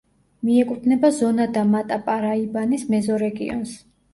მიეკუთვნება ზონა-და-მატა-პარაიბანის მეზორეგიონს.